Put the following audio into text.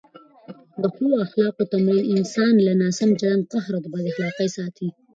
د ښو اخلاقو تمرین انسان له ناسم چلند، قهر او بد اخلاقۍ ساتي.